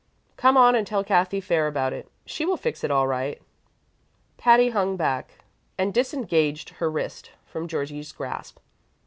"Come on and tell Cathy Fair about it. She will fix it all right." Patty hung back and disengaged her wrist from Georgie's grasp.